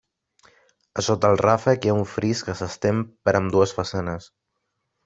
A sota el ràfec hi ha un fris que s'estén per ambdues façanes.